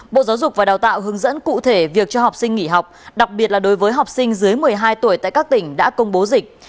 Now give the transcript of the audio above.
bộ giáo dục và đào tạo hướng dẫn cụ thể việc cho học sinh nghỉ học đặc biệt là đối với học sinh dưới một mươi hai tuổi tại các tỉnh đã công bố dịch